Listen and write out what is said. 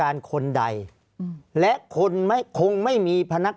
ภารกิจสรรค์ภารกิจสรรค์